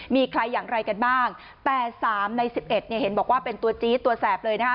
มีใครอย่างไรกันบ้างแต่๓ใน๑๑เนี่ยเห็นบอกว่าเป็นตัวจี๊ดตัวแสบเลยนะคะ